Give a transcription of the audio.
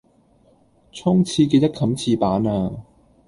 沖廁記得冚廁板呀